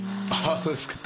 あっそうですか。